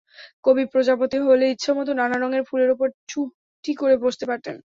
কবি প্রজাপতি হলে ইচ্ছেমত নানা রঙের ফুলের ওপর চুপটি করে বসতে পারতেন।